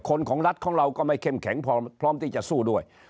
ของรัฐของเราก็ไม่เข้มแข็งพร้อมที่จะสู้ด้วย